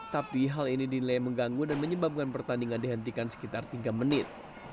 tapi hal ini dinilai mengganggu dan menyebabkan pertandingan dihentikan sekitar tiga menit